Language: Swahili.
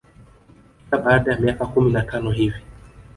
Kila baada ya miaka kumi na tano hivi